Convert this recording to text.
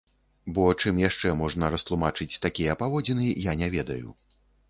Бо чым яшчэ можна растлумачыць такія паводзіны, я не ведаю.